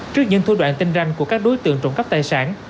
trước những thối đoạn tinh ranh của các đối tượng trộm cắp tài sản